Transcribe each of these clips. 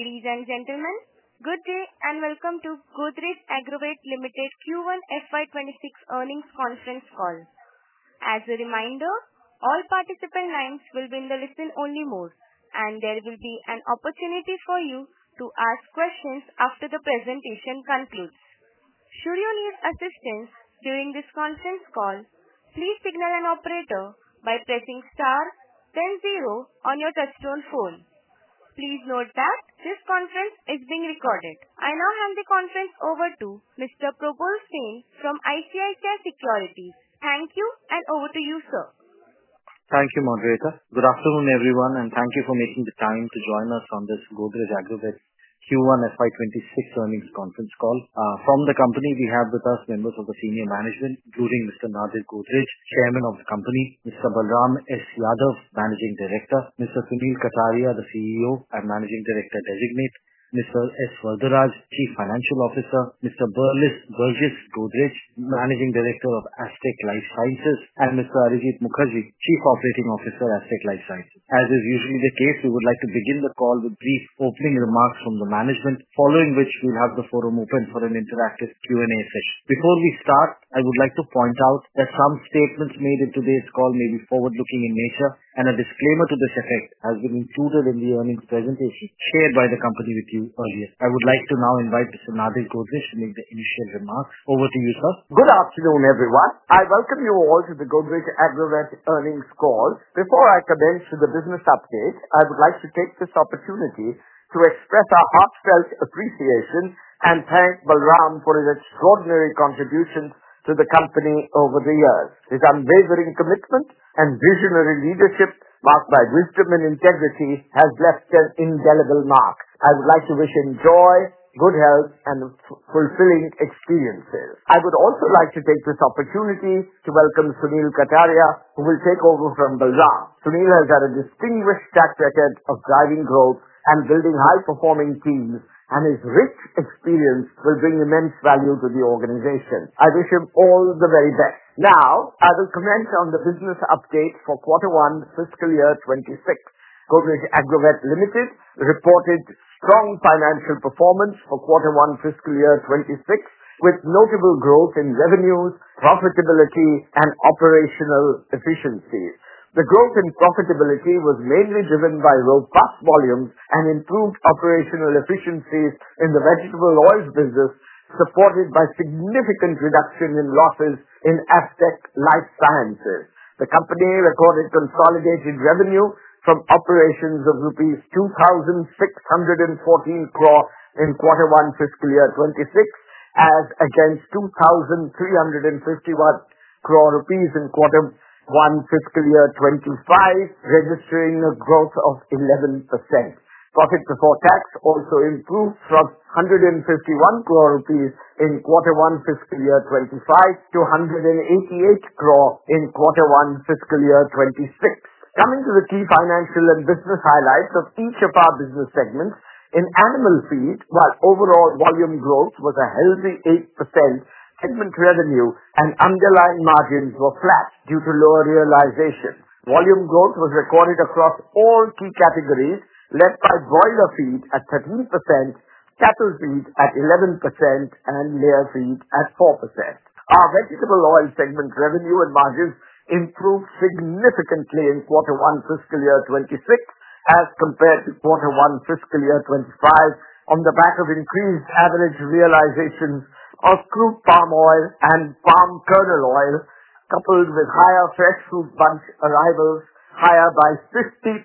Ladies and gentlemen, good day and welcome to Godrej Agrovet Limited's Q1 FY26 Earnings Conference Call. As a reminder, all participant names will be in the listen-only mode, and there will be an opportunity for you to ask questions after the presentation concludes. Should you need assistance during this conference call, please signal an operator by pressing star then zero on your touchtone phone. Please note that this conference is being recorded. I now hand the conference over to Mr. Probal Sen from ICICI Securities. Thank you, and over to you, sir. Thank you, Moderator. Good afternoon, everyone, and thank you for making the time to join us on this Godrej Agrovet Limited Q1 FY26 Earnings Conference call. From the company, we have with us members of the Senior Management, including Mr. Nadir Godrej, Chairman of the Company, Mr. Balram S. Yadav, Managing Director, Mr. Sunil Kataria, the CEO and Managing Director Designate, Mr. S. Varadaraj, Chief Financial Officer, Mr. Burjis Godrej, Managing Director of Astec LifeSciences, and Mr. Arijit Mukherjee, Chief Operating Officer of Astec LifeSciences. As is usually the case, we would like to begin the call with brief opening remarks from the Management, following which we will have the forum open for an interactive Q&A session. Before we start, I would like to point out that some statements made in today's call may be forward-looking in nature, and a disclaimer to this effect has been included in the earnings presentation shared by the company with you earlier. I would like to now invite Mr. Nadir Godrej to make the initial remarks. Over to you, sir. Good afternoon, everyone. I welcome you all to the Godrej Agrovet earnings call. Before I commence with the business updates, I would like to take this opportunity to express our heartfelt appreciation and thank Balram for his extraordinary contributions to the company over the years. His unwavering commitment and visionary leadership, marked by wisdom and integrity, have left an indelible mark. I would like to wish him joy, good health, and fulfilling experiences. I would also like to take this opportunity to welcome Sunil Kataria, who will take over from Balram. Sunil has had a distinguished track record of driving growth and building high-performing teams, and his rich experience will bring immense value to the organization. I wish him all the very best. Now, I will commence on the business update for Q1 FY2026. Godrej Agrovet Limited reported strong financial performance for Q1 FY2026, with notable growth in revenues, profitability, and operational efficiencies. The growth in profitability was mainly driven by robust volumes and improved operational efficiencies in the vegetable oils business, supported by significant reduction in losses in Astec LifeSciences. The company recorded consolidated revenue from operations of rupees 2,614 crore in Q1 FY2026 as against 2,351 crore rupees in Q1 FY2025, registering a growth of 11%. Profit before tax also improved from 151 crore rupees in Q1 FY2025 to 188 crore in Q1 FY2026. Coming to the key financial and business highlights of each of our business segments, in Animal Feed, while overall volume growth was a healthy 8%, segment revenue and underlying margins were flat due to lower realization. Volume growth was recorded across all key categories, led by broiler feed at 13%, cattle feed at 11%, and mare feed at 4%. Our vegetable oil segment revenue and margins improved significantly in Q1 FY2026 as compared to Q1 FY2025, on the back of increased average realizations of crude palm oil and palm kernel oil, coupled with higher fresh fruit bunch arrivals, higher by 50%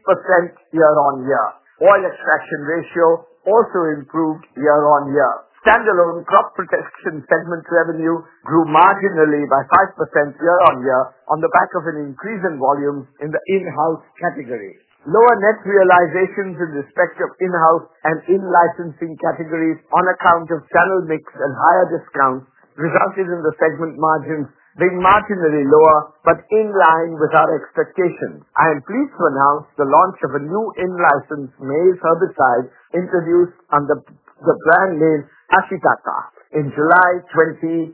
year-on-year. Oil extraction ratio also improved year-on-year. Standalone Crop Protection segment revenue grew marginally by 5% year-on-year, on the back of an increase in volume in the in-house category. Lower net realizations in the specs of in-house and in-licensing categories, on account of channel mix and higher discounts, resulted in the segment margins being marginally lower but in line with our expectations. I am pleased to announce the launch of a new in-licensed maize herbicide introduced under the brand name Hashikata in July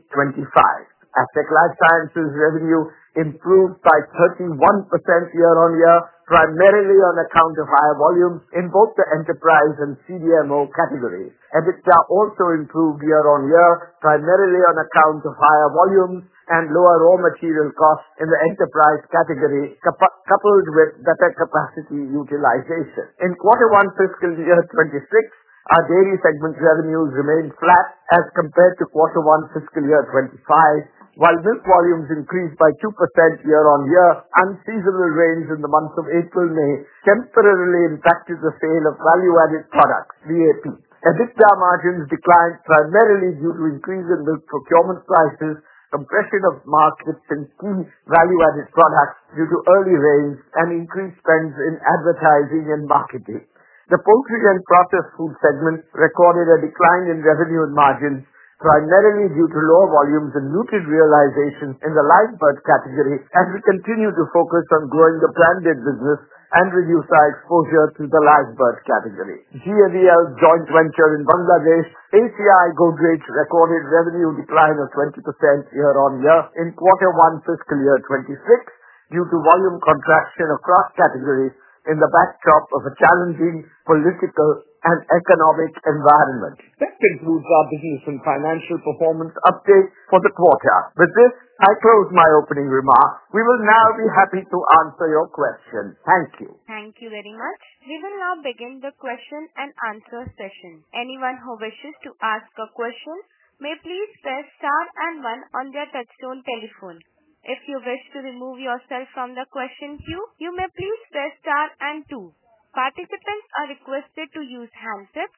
2025. Astec LifeSciences revenue improved by 31% year-on-year, primarily on account of higher volumes in both the enterprise and CDMO categories. Additionally, it also improved year-on-year, primarily on account of higher volumes and lower raw material costs in the enterprise category, coupled with better capacity utilization. In Q1 FY26, our dairy segment revenues remained flat as compared to Q1 FY25, while milk volumes increased by 2% year-on-year. Unseasonal rains in the months of April and May temporarily impacted the sale of value-added products (VAP). Additionally, margins declined primarily due to increasing milk procurement prices, compression of margins and clean value-added products due to early rains and increased spends in advertising and marketing. The poultry and processed foods segment recorded a decline in revenue and margins, primarily due to lower volumes and muted realizations in the livestock category, as we continued to focus on growing the branded business and reducing our exposure to the livestock category. ACI Godrej's joint venture in Bangladesh recorded a revenue decline of 20% year-on-year in Q1 FY26, due to volume contraction across categories in the backdrop of a challenging political and economic environment. This concludes our business and financial performance update for the quarter. With this, I close my opening remarks. We will now be happy to answer your questions. Thank you. Thank you very much. We will now begin the question and answer session. Anyone who wishes to ask a question may please press star and one on their touchstone telephone. If you wish to remove yourself from the question queue, you may please press star and two. Participants are requested to use hands up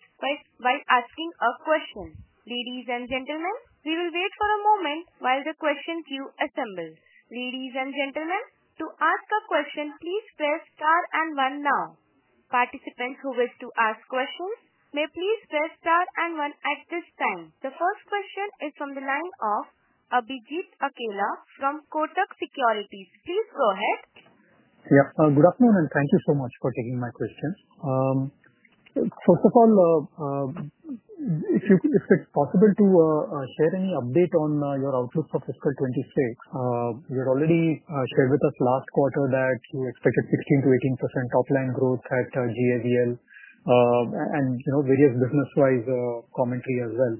while asking a question. Ladies and gentlemen, we will wait for a moment while the question queue assembles. Ladies and gentlemen, to ask a question, please press star and one now. Participants who wish to ask questions may please press star and one at this time. The first question is from the line of Abhijit Akela from Kotak Securities. Please go ahead. Yes, good afternoon, and thank you so much for taking my question. First of all, if it's possible to share any update on your outlook for fiscal 2026, you already shared with us last quarter that you expected 16%-18% top-line growth at Godrej Agrovet Limited and, you know, various business-wise commentary as well.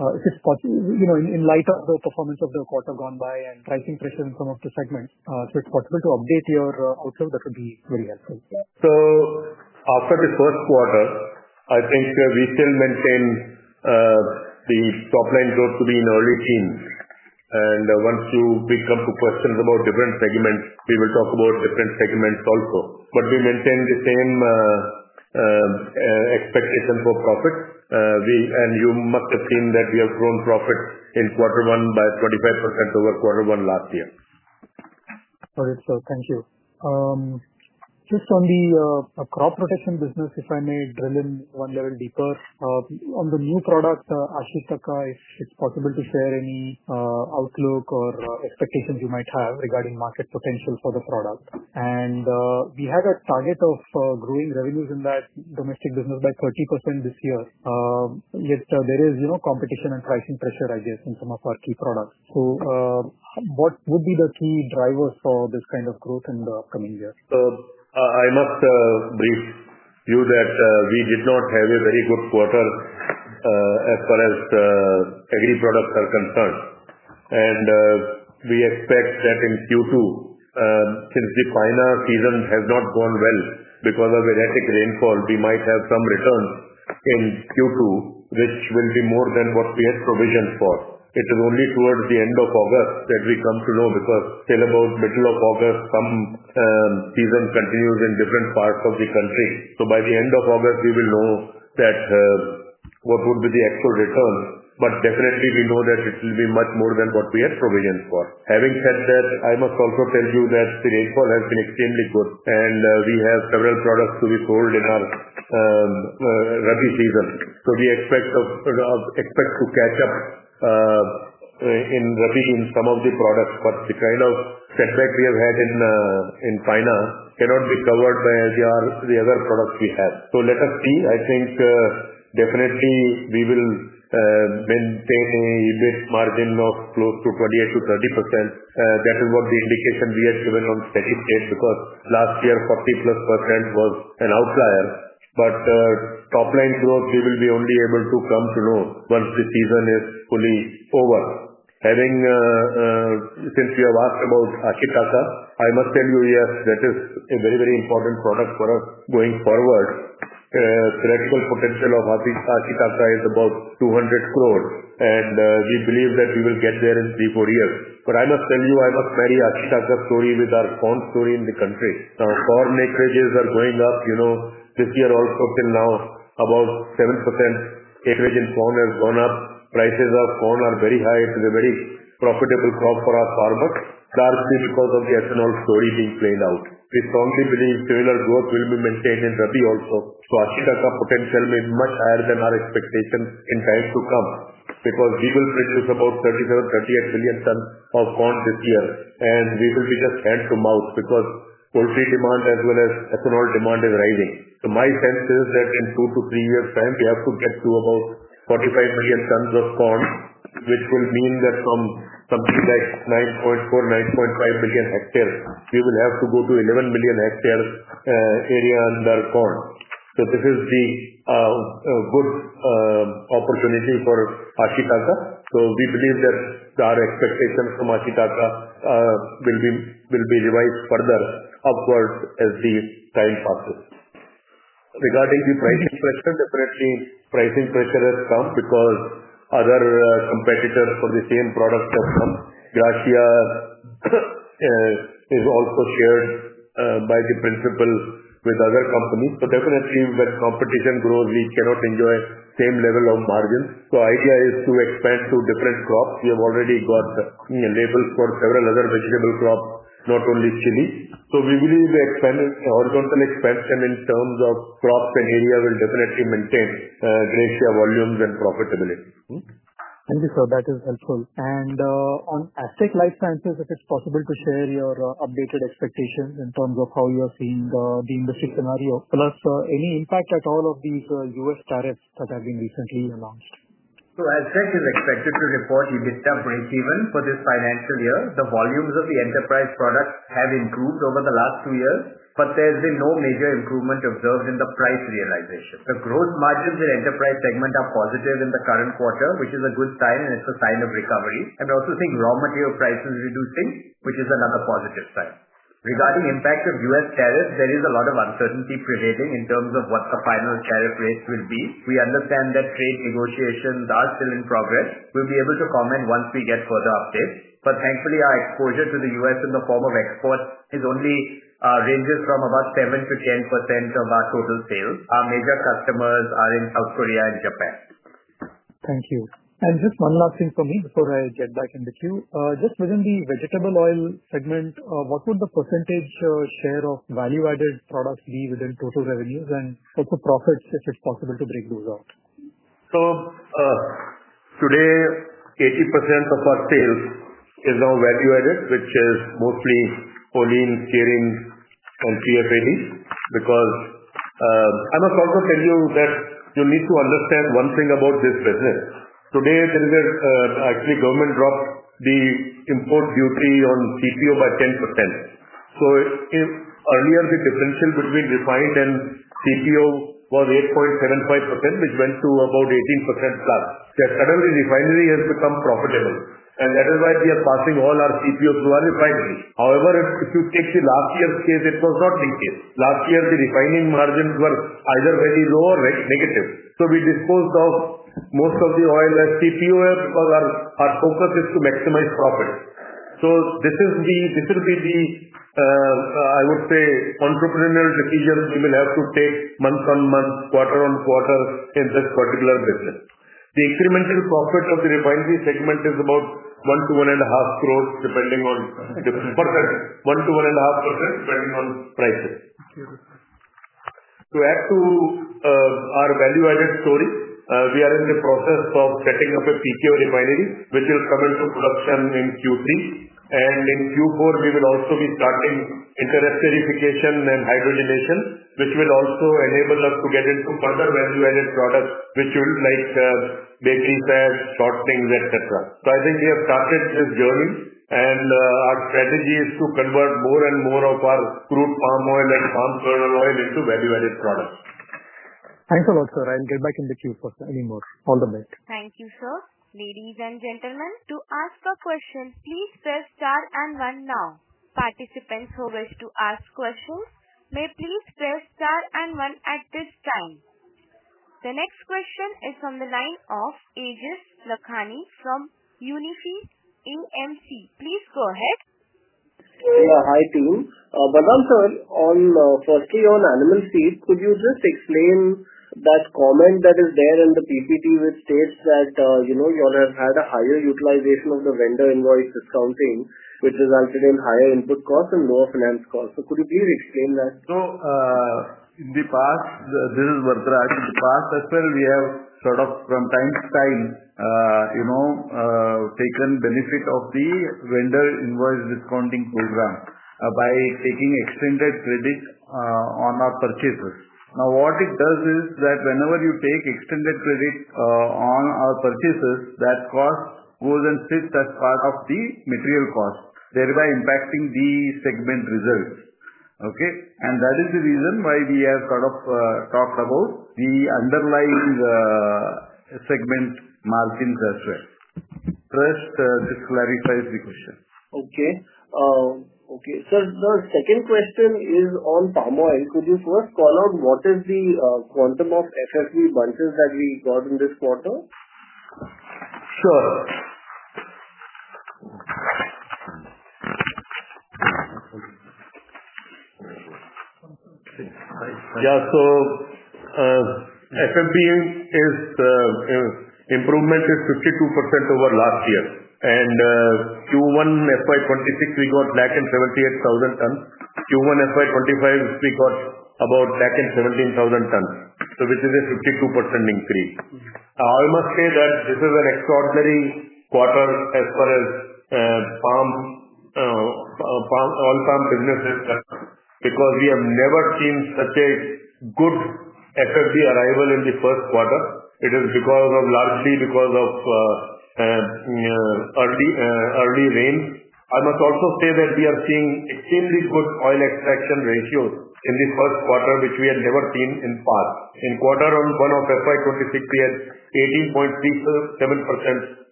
Is it possible, you know, in light of the performance of the quarter gone by and pricing pressures in some of the segments, if it's possible to update your outlook, that would be very helpful. After this first quarter, I think we still maintain the top-line growth to be in early teens. Once we come to questions about different segments, we will talk about different segments also. We maintain the same expectation for profits, and you must have seen that we have grown profits in quarter one by 25% over quarter one last year. Thank you. Just on the Crop Protection business, if I may drill in one level deeper, on the new product, Hashikata, if it's possible to share any outlook or expectations you might have regarding market potential for the product. We have a target of growing revenues in that domestic business by 30% this year. Yet there is, you know, competition and pricing pressure, I guess, in some of our key products. What would be the key drivers for this kind of growth in the upcoming year? I must brief you that we did not have a very good quarter as far as the agri products are concerned. We expect that in Q2, since the final season has not gone well because of the rainfall, we might have some returns in Q2, which will be more than what we had provisions for. It is only towards the end of August that we come to know because till about the middle of August, some season continues in different parts of the country. By the end of August, we will know what would be the actual return. We know that it will be much more than what we had provisions for. Having said that, I must also tell you that the rainfall has been extremely good, and we have several products to be sold in our rabi season. We expect to catch up in rabi in some of the products. The kind of setback we have had in final cannot be covered by the other products we have. Let us see. I think definitely we will maintain a margin of growth to 28% to 30%. That is what the indication we have given on steady state because last year 40+% was an outlier. Top-line growth, we will be only able to come to know once the season is fully over. Since you have asked about Hashikata, I must tell you, yes, that is a very, very important product for us going forward. The practical potential of Hashikata is about 200 crore, and we believe that we will get there in three, four years. I must tell you, I have a very Hashikata story with our corn story in the country. Our corn acreages are going up. This year also till now, about 7% acreage in corn has gone up. Prices of corn are very high. It is a very profitable crop for our farmers, largely because of the ethanol story being played out. We strongly believe trailer growth will be maintained in rabi also. Hashikata potential may be much higher than our expectations in times to come because we will produce about 37 million-38 million tons of corn this year. We will be just hand to mouth because poultry demand as well as ethanol demand is rising. My sense is that in two to three years' time, we have to get to about 45 million tons of corn, which will mean that from something like 9.5 million hectares, we will have to go to 11 million hectares area under corn. This is the good opportunity for Hashikata. We believe that our expectations from Hashikata will be revised further upwards as the time passes. Regarding the pricing pressure, definitely pricing pressure has come because other competitors for the same product of Garchia is also shared by the principal with other companies. When competition grows, we cannot enjoy the same level of margins. The idea is to expand to different crops. We have already got labels for several other vegetable crops, not only chili. We believe the horizontal expansion in terms of crops and area will definitely maintain our volumes and profitability. Thank you, sir. That is helpful. On Astec LifeSciences, if it's possible to share your updated expectations in terms of how you are seeing the industry scenario. Also, any impact at all of these U.S. tariffs that have been recently announced? Astec LifeSciences is expected to report a bit more breakeven for this financial year. The volumes of the enterprise products have improved over the last two years, but there's been no major improvement observed in the price realization. The growth margins in the enterprise segment are positive in the current quarter, which is a good sign, and it's a sign of recovery. I also think raw material prices are reducing, which is another positive sign. Regarding the impact of U.S. tariffs, there is a lot of uncertainty prevailing in terms of what the final tariff rates will be. We understand that trade negotiations are still in progress. We'll be able to comment once we get further updates. Thankfully, our exposure to the U.S. in the form of exports is only ranging from about 7%-10% of our total sales. Our major customers are in South Korea and Japan. Thank you. Just one last thing for me before I jet back in the queue. Within the vegetable oil segment, what would the percentage share of value-added products be within total revenues and also profits, if it's possible to break those out? Today, 80% of our sales is now value-added, which is mostly polyens, shearings, and CO3Ds because, I'm a call for telling you that you need to understand one thing about this business. Today, the government dropped the import duty on crude palm oil by 10%. Earlier, the difference between refined and crude palm oil was 8.75%, which went to about 18%+. That suddenly, refinery has become profitable. That is why we are passing all our crude palm oil to our refineries. However, if you take the last year's case, it was not like it. Last year, the refining margins were either very low or negative. We disposed of most of the oil as crude palm oil because our focus is to maximize profits. This will be the, I would say, entrepreneurs occasionally will have to take month on month, quarter on quarter in that particular business. The incremental profit of the refinery segment is about 1 crore to 1.5 crore depending on, perfect, 1%-1.5% depending on prices. To add to our value-added story, we are in the process of setting up a PTO refinery, which will come into production in Q3. In Q4, we will also be starting interactive edification and hydrogenation, which will also enable us to get into other value-added products, which will be like The next question is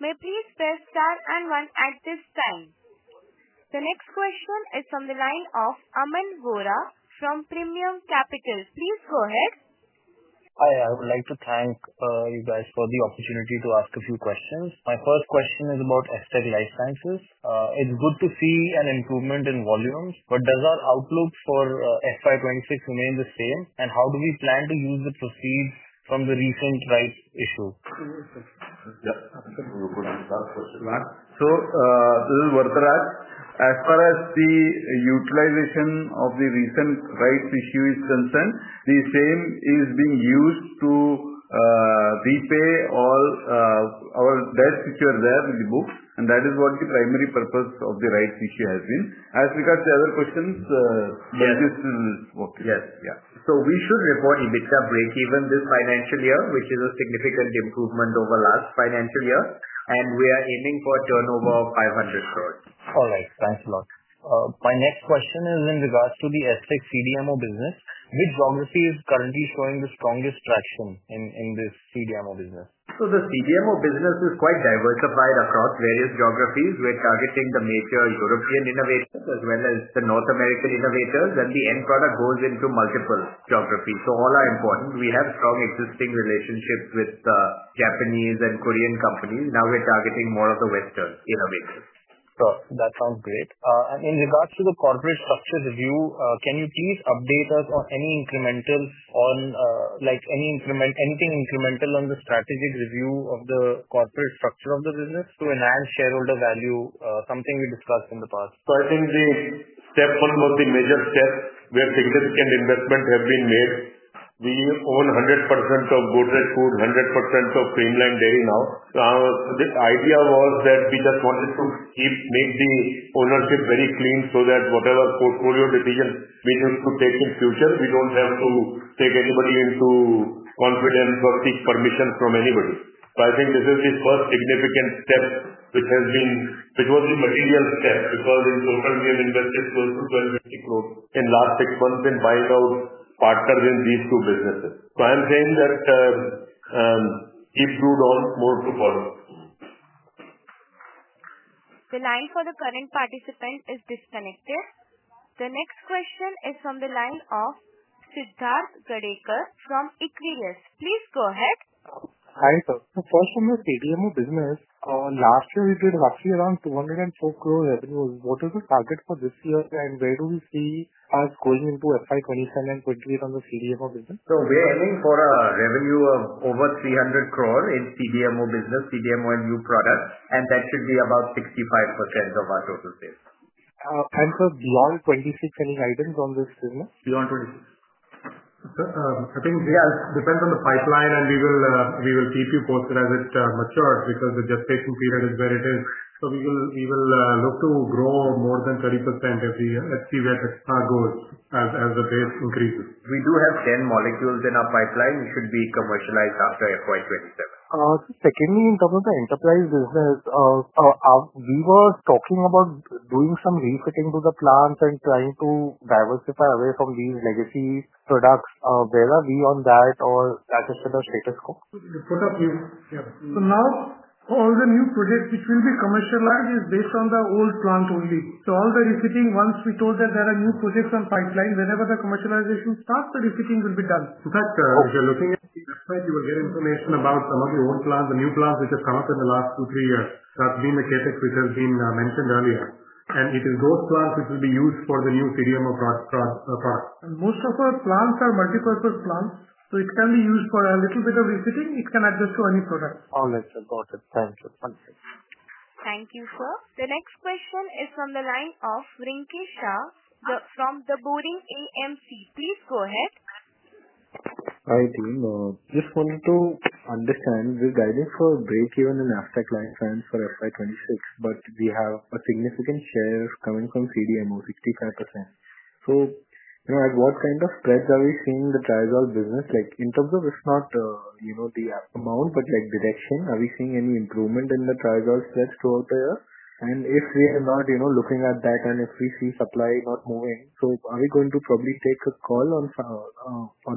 from the line of Aman Vora from Premium Capitals. Please go ahead. Hi, I would like to thank you guys for the opportunity to ask a few questions. My first question is about Astec LifeSciences. It's good to see an improvement in volumes, but does our outlook for FY 2026 remain the same? How do we plan to use the proceeds from the refund rights issue? Yeah, I'm sure we're going to start for that. This is S. Varadaraj. As far as the utilization of the recent rights issue is concerned, the same is being used to repay all our debts which are there in the books. That is what the primary purpose of the rights issue has been. As regards to the other questions, this is working. Yes. Yeah. We should record EBITDA breakeven this financial year, which is a significant improvement over last financial year. We are aiming for a turnover of 500 crore. All right. Thanks a lot. My next question is in regards to the Astec LifeSciences CDMO business. Which geography is currently showing the strongest traction in this CDMO business? The CDMO business is quite diversified across various geographies. We're targeting the major European innovators as well as the North American innovators. The end product goes into multiple geographies, so all are important. We have strong existing relationships with the Japanese and Korean companies. Now we're targeting more of the Western innovators. That sounds great. In regards to the corporate structure review, can you please update us on anything incremental on the strategic review of the corporate structure of the business to enhance shareholder value, something we discussed in the past? I think the step one was the major step where significant investments have been made. We own 100% of Godrej Foods, 100% of Creamline Dairy now. The idea was that we just wanted to keep the ownership very clean so that whatever portfolio decisions we have to take in the future, we don't have to take anybody into confidence or seek permission from anybody. I think this is the first significant step which has been, which was the material step because in total we have invested close to INR 250 crore in the last six months in buying out partners in these two businesses. I'm saying that it will do more to follow. The line for the current participant is disconnected. The next question is from the line of Siddharth Jadekar from Icarus. Please go ahead. Hi, sir. First, on the CDMO business, last year we did roughly around 204 crore revenue. What is the target for this year, and where do we see us going into FY 2027 quarterly from the CDMO business? We're aiming for a revenue of over 300 crore in CDMO business, CDMO and new products. That should be about 65% of our total sales. Thanks, sir. Beyond 2026, any items on this format? Beyond 26. Okay. I think, yeah, it depends on the pipeline, and we will keep you posted as it matures because the gestation period is where it is. We will look to grow more than 30% every year. Let's see where the star goes as the grape increases. We do have 10 molecules in our pipeline. We should be commercialized after FY 2027. Secondly, in terms of the enterprise business, we were talking about doing some refitting to the plants and trying to diversify away from these legacy products. Where are we on that, or is it in the status quo? Siddharth, please share. All the new projects which will be commercialized are based on the old plants only. All the refitting, once we told them there are new projects on pipeline, whenever the commercialization starts, the refitting will be done. Siddharth, of the location you described, you will get information about a lot of the old plants and new plants which have come up in the last two, three years. That's been the KTEX which has been mentioned earlier. It is those plants which will be used for the new CDMO product. Most of our plants are multipurpose plants, so it can be used for a little bit of refitting. It can adjust to any product. All right, sir. Got it. Thank you. Thank you, sir. The next question is from the line of Rinke Shah from the Boading EMC. Please go ahead. Hi, team. Just wanted to understand the guidance for breakeven in Astec last time for FY 2026, but we have a significant share coming from CDMO, 65%. What kind of spreads are we seeing in the triazole business? Like in terms of, if not the amount, but like direction, are we seeing any improvement in the triazole spreads throughout the year? If we are not looking at that and if we see supply not moving, are we going to probably take a call on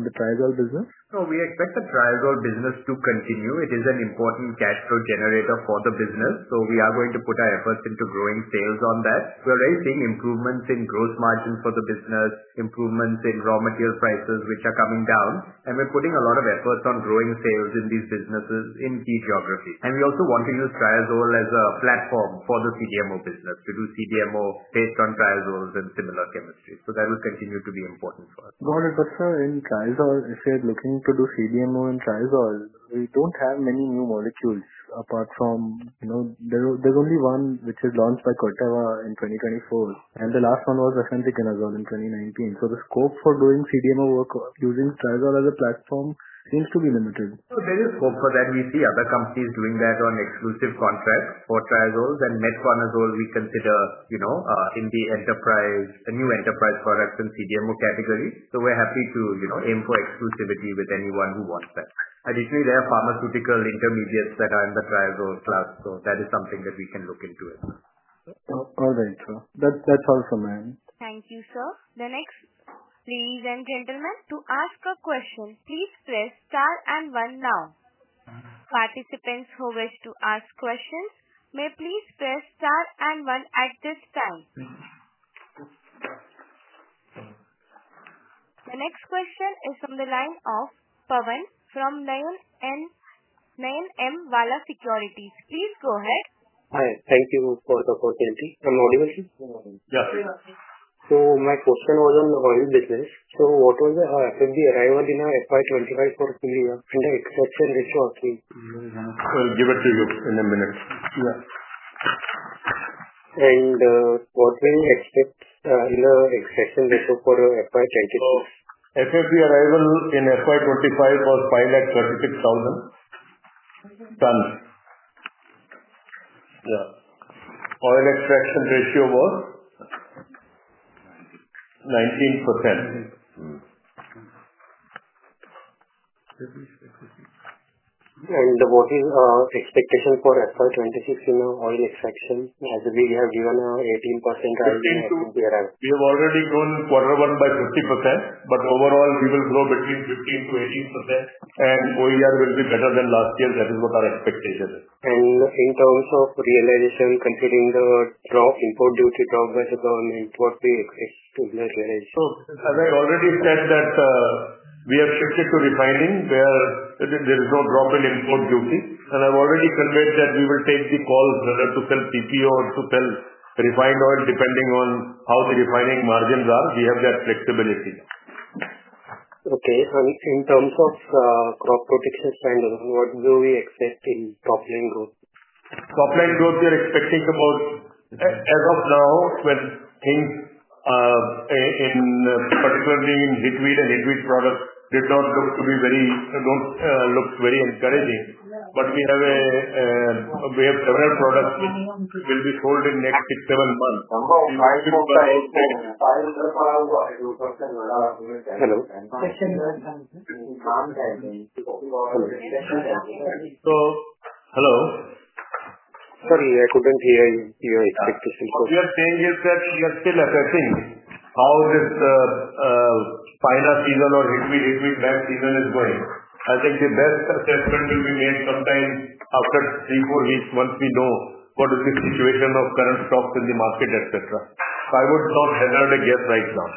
the triazole business? We expect the trisol business to continue. It is an important cash flow generator for the business. We are going to put our efforts into growing sales on that. We're already seeing improvements in gross margins for the business, improvements in raw material prices, which are coming down. We're putting a lot of efforts on growing sales in these businesses in key geographies. We also want to use trisol as a platform for the CDMO business to do CDMO based on trisols and similar chemistries. That will continue to be important for us. Got it. Sir, in trisol, if we're looking to do CDMO in trisol, we don't have many new molecules apart from, you know, there's only one which is launched by CULTARA in 2024. The last one was Asantekenazole in 2019. The scope for doing CDMO work using trisol as a platform seems to be limited. There is scope for that. We see other companies doing that on exclusive contract for trisols. Metforminol we consider, you know, in the enterprise, a new enterprise product in the CDMO category. We're happy to, you know, aim for exclusivity with anyone who wants that. Additionally, there are pharmaceutical intermediates that are in the trisol class. That is something that we can look into as well. All right, sir. That's all from me. Thank you, sir. The next, ladies and gentlemen, to ask a question, please press star and one now. Participants who wish to ask questions may please press star and one at this time. The next question is from the line of Pawan from Nayan M. Vala Securities. Please go ahead. Hi, thank you for the opportunity. My motivation? Yeah. My question was on the value decision. What was the fresh fruit bunch arrival in our FY 2025 for three years and the export for this quarter? Yeah, yeah, from 0 to 11 years. What do you expect in the oil extraction ratio for FY 2025? FFB arrival in FY 2025 was fined at 46,000. Oil extraction ratio was What is our expectation for FY 2026 in our oil extraction? Obviously, we have given our 18%. We have already grown quarter one by 50%, overall we will grow between 15% to 18%. OER will be better than last year. That is what our expectation is. In terms of realization, considering the drop, import duty dropped by supply and import, is that varied? As I already said, we have shifted to refining where there is no drop in import duty. I've already conveyed that we will take the calls whether to sell crude palm oil or to sell refined oil, depending on how the refining margins are. We have that flexibility. Okay. In terms of Crop Protection, what do we expect in crop line growth? Crop line growth, we are expecting about, as of now, when things, particularly in liquid and liquid products, did not look to be very, looks very encouraging. We have several products which will be sold in the next six to seven months. Hello? Sorry, I couldn't hear you. Like to see? We are saying that we are still assessing how this final season or liquid bag season is going. I think the best assessment will be made sometime after three or four weeks, once we know what is the situation of current stocks in the market, etc. I would not hazard a guess right now.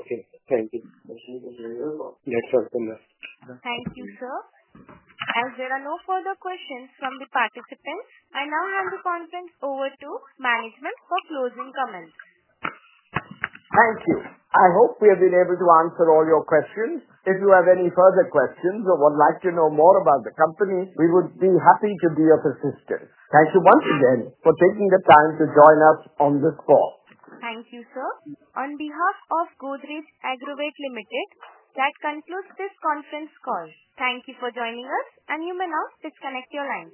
Okay, thank you. Thank you, sir. As there are no further questions from the participants, I now hand the conference over to management for closing comments. Thank you. I hope we have been able to answer all your questions. If you have any further questions or would like to know more about the company, we would be happy to be of assistance. Thank you once again for taking the time to join us on this call. Thank you, sir. On behalf of Godrej Agrovet Limited, that concludes this conference call. Thank you for joining us, and you may now disconnect your line.